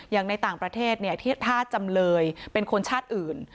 อย่างในต่างประเทศถ้าจำเลยเป็นคนชาติอื่น